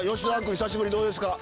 久しぶりどうですか？